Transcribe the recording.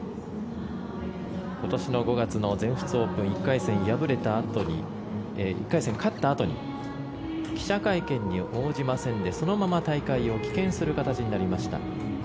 今年の５月の全仏オープン１回戦で勝ったあとに記者会見に応じませんでそのまま大会を棄権する形になりました。